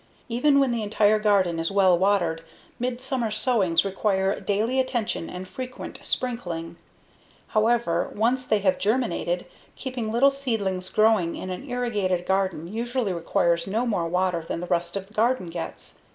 Even when the entire garden is well watered, midsummer sowings require daily attention and frequent sprinkling; however, once they have germinated, keeping little seedlings growing in an irrigated garden usually requires no more water than the rest of the garden gets.